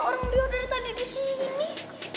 orang dio udah datangnya disini